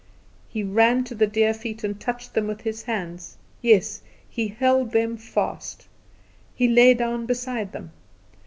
He ran to the dear feet and touched them with his hands; yes, he held them fast! He lay down beside them.